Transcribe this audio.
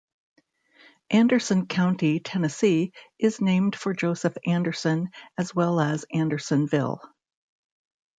Anderson County, Tennessee, is named for Joseph Anderson, as well as Andersonville.